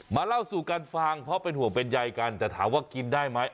เล่าสู่กันฟังเพราะเป็นห่วงเป็นใยกันแต่ถามว่ากินได้ไหม